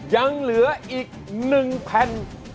ยังเหลืออีกหนึ่งแผ่น